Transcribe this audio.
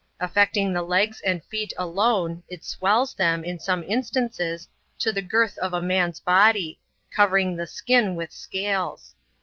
Affecting the legs and feet alone, it swells them, in le instances, to the girth of a man's body, covering the skin h scales.